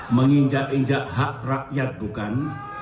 menginjak injak hak rakyat bukan